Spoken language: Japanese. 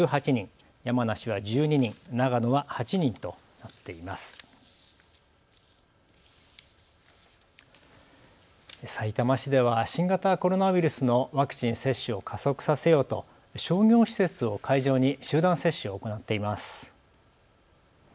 さいたま市では新型コロナウイルスのワクチン接種を加速させようと商業施設を会場に集団接種を行っています。